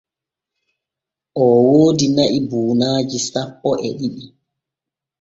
Oo woodi na’i buunaaji sappo e ɗiɗi.